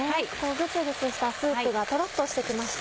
グツグツしたスープがトロっとして来ました。